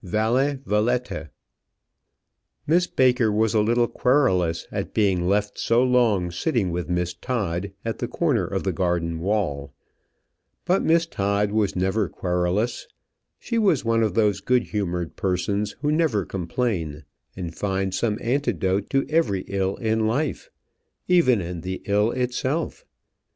VALE VALETE. Miss Baker was a little querulous at being left so long sitting with Miss Todd at the corner of the garden wall; but Miss Todd was never querulous: she was one of those good humoured persons who never complain, and find some antidote to every ill in life, even in the ill itself.